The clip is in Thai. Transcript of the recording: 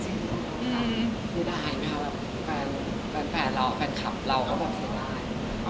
เสียดายค่ะแฟนเราแฟนคลับเราก็บอกเสียดาย